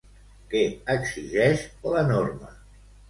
Què exigeix la norma?